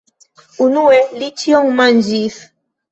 Unue, li ĉion manĝis.